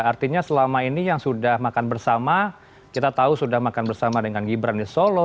artinya selama ini yang sudah makan bersama kita tahu sudah makan bersama dengan gibran di solo